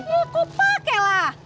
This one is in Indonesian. ya aku pakailah